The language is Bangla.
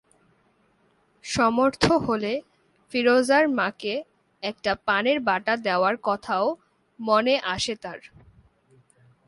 সমর্থ হলে ফিরোজার মাকে একটা পানের বাটা দেওয়ার কথাও মনে আসে তার।